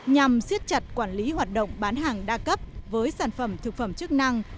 nhằm siết chặt quản lý hoạt động bán hàng đa cấp với sản phẩm thực phẩm chức năng